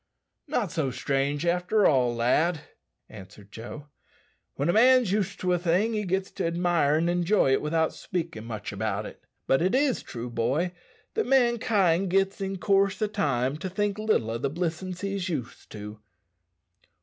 "Not so strange after all, lad," answered Joe. "When a man's used to a thing, he gits to admire an' enjoy it without speakin' much about it. But it is true, boy, that mankind gits in coorse o' time to think little o' the blissin's he's used to."